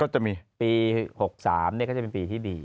ก็จะมีปี๖๓เนี่ยก็จะเป็นปีที่ดี